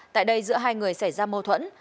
tại đây giữa hai người xảy ra mô thuẫn